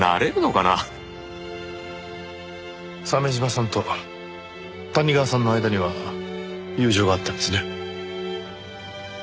鮫島さんと谷川さんの間には友情があったんですね。